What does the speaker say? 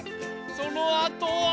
そのあとは。